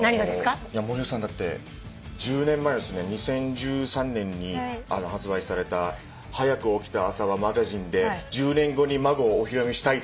森尾さんだって１０年前の２０１３年に発売された『はやく起きた朝はＭａｇａｚｉｎｅ』で「１０年後に孫をお披露目したい」と。